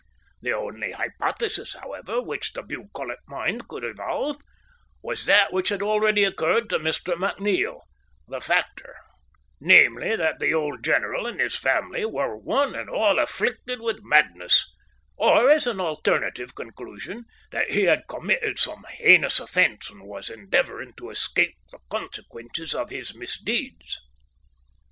The only hypothesis, however, which the bucolic mind could evolve, was that which had already occurred to Mr. McNeil, the factor namely, that the old general and his family were one and all afflicted with madness, or, as an alternative conclusion, that he had committed some heinous offence and was endeavouring to escape the consequences of his misdeeds.